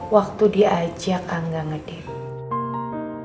waktu diajak angga ngedate